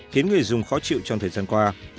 khiến người dùng khó chịu trong thời gian qua